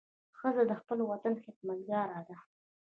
ښځه د خپل وطن خدمتګاره ده.